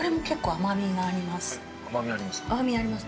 甘みあります。